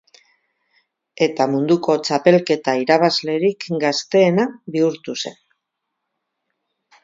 Eta munduko txapelketa irabazlerik gazteena bihurtu zen.